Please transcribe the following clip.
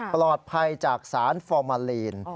ปลอดภัยจากสารฟอร์มาลีน